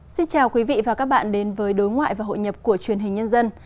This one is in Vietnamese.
xin chào quý vị và các bạn đến với đối ngoại và hội nhập của truyền hình nhân dân